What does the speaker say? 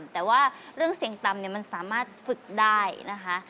แต่ว่าเรื่องเสี่ยงต่ำมันสามารถฝึกได้นะคะ